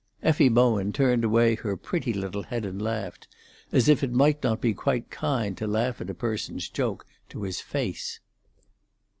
Effie Bowen turned away her pretty little head and laughed, as if it might not be quite kind to laugh at a person's joke to his face.